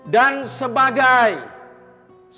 dan sebagai orang yang berpengalaman